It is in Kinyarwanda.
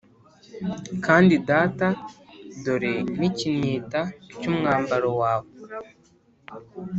Kandi data, dore n’ikinyita cy’umwambaro wawe